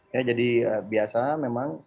ya jadi biasa memang